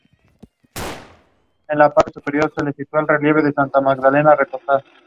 La demanda es muy alta.